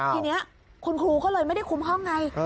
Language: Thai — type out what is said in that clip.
ทีนี้คุณครูก็เลยไม่ได้คุ้มห้องไง